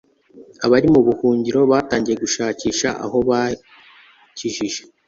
abari mu buhungiro batangiye gushakisha aho bakikije